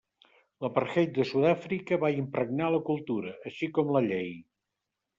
L'apartheid de Sud-àfrica va impregnar la cultura, així com la llei.